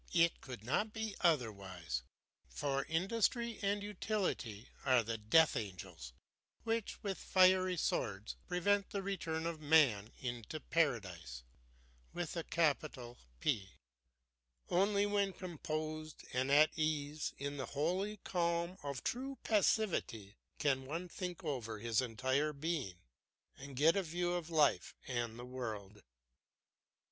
It could not be otherwise; for industry and utility are the death angels which, with fiery swords, prevent the return of man into Paradise. Only when composed and at ease in the holy calm of true passivity can one think over his entire being and get a view of life and the world.